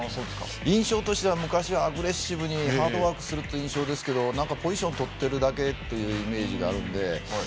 印象としては昔はアグレッシブにハードワークするという印象ですけどポジション取ってるだけというイメージがあるので。